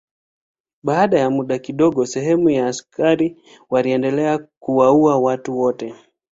Baada ya muda kidogo sehemu ya askari waliendelea kuwaua watu wote.